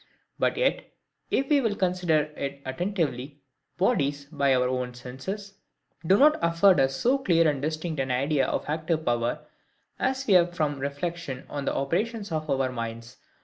But yet, if we will consider it attentively, bodies, by our senses, do not afford us so clear and distinct an idea of active power, as we have from reflection on the operations of our minds.